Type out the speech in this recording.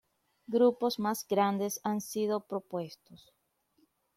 Grupos más grandes han sido propuestos.